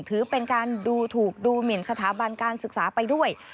ถือเป็นการดูถูกดูหมินสถาบันการศึกษาไปด้วย